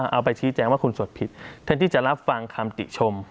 เอาไปชี้แจงว่าคุณสวดผิดแทนที่จะรับฟังคำติชม